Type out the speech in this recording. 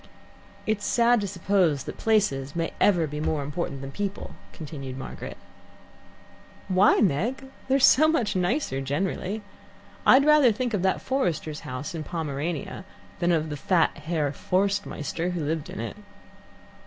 "It is sad to suppose that places may ever be more important than people," continued Margaret. "Why, Meg? They're so much nicer generally. I'd rather think of that forester's house in Pomerania than of the fat Herr Forstmeister who lived in it."